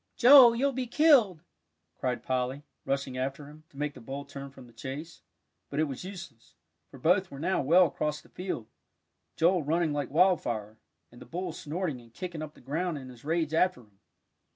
"Joel, you'll be killed!" cried Polly, rushing after him, to make the bull turn from the chase. But it was useless; for both were now well across the field, Joel running like wildfire, and the bull snorting and kicking up the ground in his rage after him.